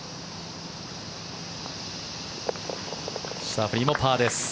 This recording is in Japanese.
シャフリーもパーです。